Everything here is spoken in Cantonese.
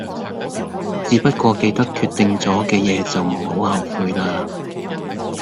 只不過記得決定左嘅野就唔好後悔啦